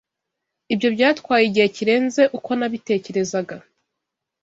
Ibyo byatwaye igihe kirenze uko nabitekerezaga.